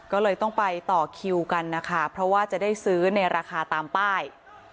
ก็เลยต้องไปต่อคิวกันนะคะเพราะว่าจะได้ซื้อในราคาตามป้าย